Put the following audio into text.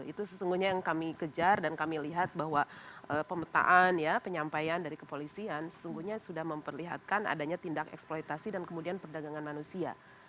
jadi sehingga yang kami kejar dan kami lihat bahwa pemetaan ya penyampaian dari kepolisian sehingga sudah memperlihatkan adanya tindak eksploitasi dan kemudian perdagangan manusia